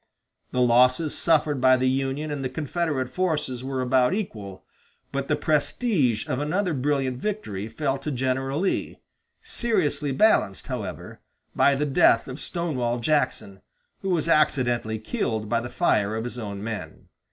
The losses suffered by the Union and the Confederate forces were about equal, but the prestige of another brilliant victory fell to General Lee, seriously balanced, however, by the death of Stonewall Jackson, who was accidentally killed by the fire of his own men.